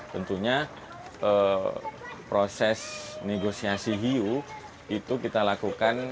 tentunya proses negosiasi hiu itu kita lakukan